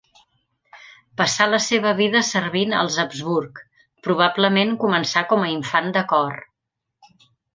Passà la seva vida servint als Habsburg, probablement començà com a infant de cor.